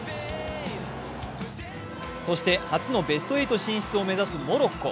そして初のベスト８進出を目指すモロッコ。